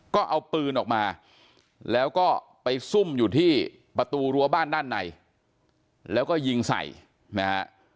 ก็เอาปืนออกมาแล้วก็ไปซุ่มอยู่ที่ประตูรั้วบ้านด้านในแล้วก็ยิงใส่นะฮะ